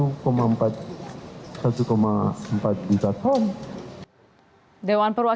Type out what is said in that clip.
dewan perwakilan rakyat akan segera menerima pertanyaan terkait impor beras